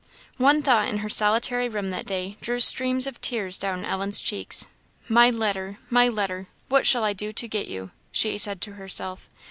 One thought in her solitary room that day drew streams of tears down Ellen's cheeks. "My letter! my letter! what shall I do to get you?" she said to herself.